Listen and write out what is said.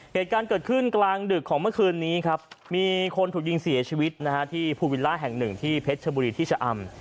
เหตุการณ์เกิดขึ้นกลางดึกของเมื่อคืนนี้ครับมีคนถูกยิงเสียชีวิตนะฮะที่ภูวิลล่าแห่งหนึ่งที่เพชรชบุรีที่ชะอำ